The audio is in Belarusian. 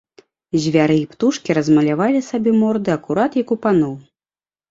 Звяры і птушкі размалявалі сабе морды акурат як у паноў.